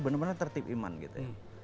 bener bener tertip iman gitu ya